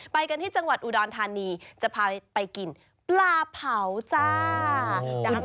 ไปกันที่จังหวัดอุดรธานีจะพาไปกินปลาเผาจ้า